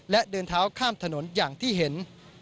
และเดินเท้าข้ามถนนอย่างที่เห็น